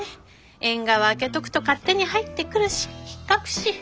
縁側開けとくと勝手に入ってくるしひっかくし。